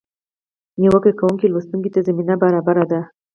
نیوکه کوونکي لوستونکي ته زمینه برابره ده.